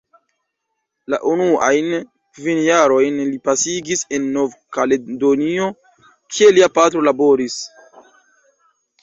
La unuajn kvin jarojn li pasigis en Nov-Kaledonio, kie lia patro laboris.